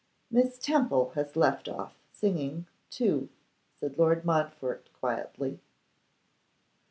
'Miss Temple has left off singing, too,' said Lord Montfort, quietly.